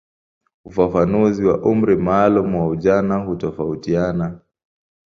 Ufafanuzi wa umri maalumu wa ujana hutofautiana.